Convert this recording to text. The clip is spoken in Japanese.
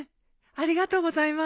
ありがとうございます。